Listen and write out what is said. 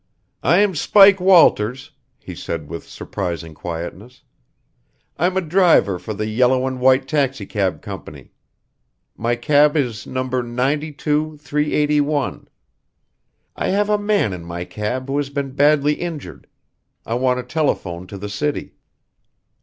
"I'm Spike Walters," he said with surprising quietness. "I'm a driver for the Yellow and White Taxicab Company. My cab is No. 92,381. I have a man in my cab who has been badly injured. I want to telephone to the city."